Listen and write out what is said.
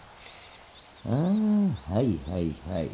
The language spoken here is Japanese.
あはいはいはい。